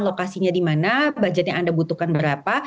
lokasinya di mana budgetnya anda butuhkan berapa